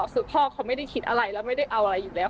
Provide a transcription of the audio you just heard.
คือพ่อเขาไม่ได้คิดอะไรแล้วไม่ได้เอาอะไรอยู่แล้ว